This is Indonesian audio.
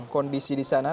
kondisi di sana